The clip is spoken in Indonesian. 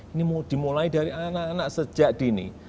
ini mau dimulai dari anak anak sejak dini